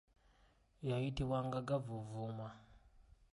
Lyayitibwanga gavuuvuuma.